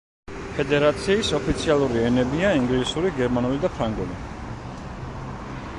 ფედერაციის ოფიციალური ენებია: ინგლისური, გერმანული და ფრანგული.